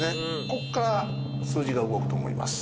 こっから数字が動くと思います。